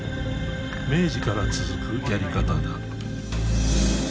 明治から続くやり方だ